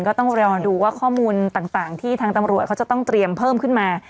ก็ต้องรอดูว่าข้อมูลต่างที่ทางตำรวจเขาจะต้องเตรียมเพิ่มขึ้นมา